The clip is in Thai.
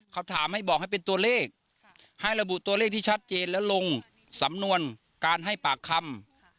คำถามให้บอกให้เป็นตัวเลขให้ระบุตัวเลขที่ชัดเจนและลงสำนวนการให้ปากคำ